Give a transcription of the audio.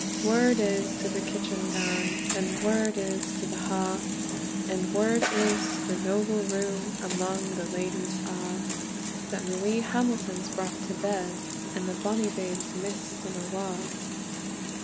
Word is to the kitchen gane, And word is to the ha, And word is to the noble room, Amang the ladyes a', That Marie Hamilton's brought to bed, And the bonny babe's mist and awa.